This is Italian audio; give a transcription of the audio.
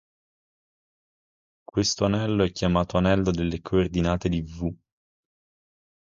Questo anello è chiamato anello delle coordinate di "V".